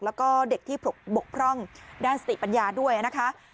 แล้วก็เด็กที่บกพร่องด้านสติปัญญาด้วยนะคะ